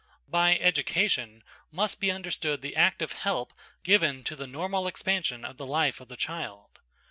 By education must be understood the active help given to the normal expansion of the life of the child.